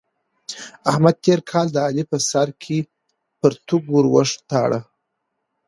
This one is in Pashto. احمد تېر کال د علي په سر کې پرتوګ ور وتاړه.